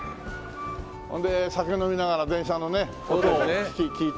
それで酒飲みながら電車のね音を聞いて。